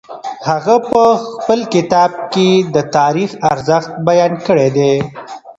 هغه په خپل کتاب کي د تاریخ ارزښت بیان کړی دی.